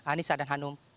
anissa dan hanum